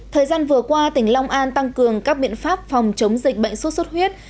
thời gian vừa qua tỉnh long an tăng cường các biện pháp phòng chống dịch bệnh suốt suốt huyết